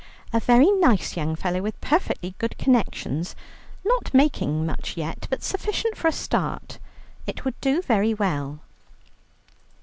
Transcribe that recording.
"A very nice young fellow, with perfectly good connections, not making much yet, but sufficient for a start. It would do very well."